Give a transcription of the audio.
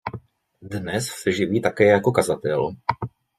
Dnes se živí také jako kazatel.